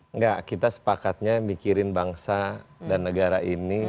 enggak kita sepakatnya mikirin bangsa dan negara ini